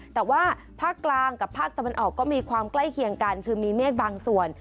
แต่ว่าภาคกลางกับภาคตะวันออกก็มีความใกล้เคียงกันคือมีเมฆบางส่วน